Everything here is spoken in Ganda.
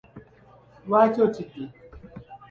Lwaki otidde?